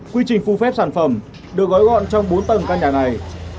quy trình phù phép sản phẩm được gói gọn trong bốn tầng căn nhà này